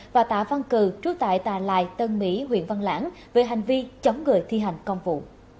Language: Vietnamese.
và tạ văn cử trú tại tà lài tân mỹ huyện văn lãng về hành vi chống người thi hành công vụ